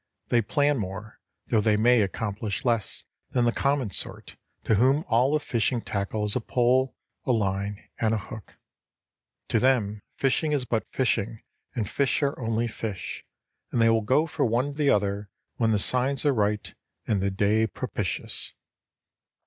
They plan more, though they may accomplish less than the common sort to whom all of fishing tackle is a pole, a line, and a hook. To them fishing is but fishing, and fish are only fish, and they will go for one or the other when the signs are right and the day propitious.